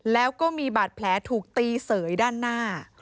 แล้วก็มีบาดแผลถูกตีเสยด้านหน้า